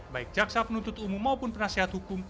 baik jaksa penuntut umum maupun penasihat hukum